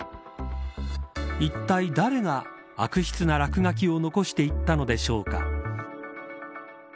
いったい誰が悪質な落書きを残していったのでしょうか。